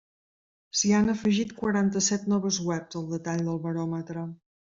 S'hi han afegit quaranta-set noves webs al detall del baròmetre.